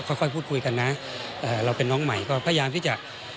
ค่อยพูดคุยกันนะเราเป็นน้องใหม่ก็พยายามที่จะ